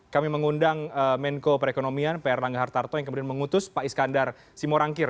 kami mengundang menko perekonomian pr langga hartarto yang kemudian mengutus pak iskandar simorangkir